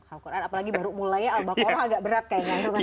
al quran apalagi baru mulainya al baqarah agak berat kayaknya